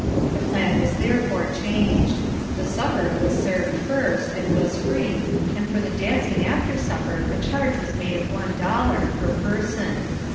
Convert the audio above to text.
The plan was therefore changed. The supper was served first, and was free, and for the dancing after supper a charge was made of one dollar, per person.